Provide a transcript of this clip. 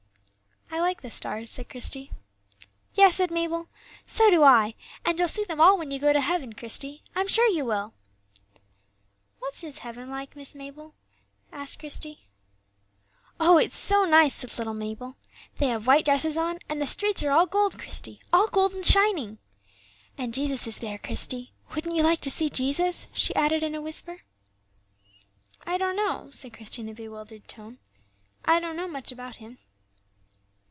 "I like the stars," said Christie. "Yes," said Mabel, "so do I; and you'll see them all when you go to heaven, Christie, I'm sure you will." "What is heaven like, Miss Mabel?" asked Christie. "Oh, it's so nice," said little Mabel; "they have white dresses on, and the streets are all gold, Christie, all gold and shining. And Jesus is there, Christie; wouldn't you like to see Jesus?" she added, in a whisper. "I don't know," said Christie, in a bewildered tone; "I don't know much about Him."